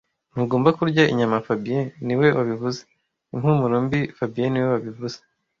Ntugomba kurya inyama fabien niwe wabivuze Impumuro mbi fabien niwe wabivuze